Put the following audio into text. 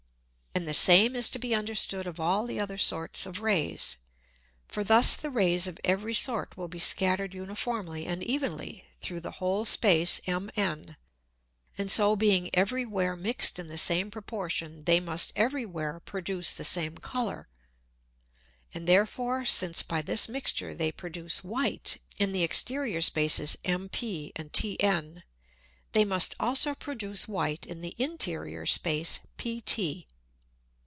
And the same is to be understood of all the other sorts of Rays. For thus the Rays of every sort will be scattered uniformly and evenly through the whole Space MN, and so being every where mix'd in the same Proportion, they must every where produce the same Colour. And therefore, since by this Mixture they produce white in the Exterior Spaces MP and TN, they must also produce white in the Interior Space PT.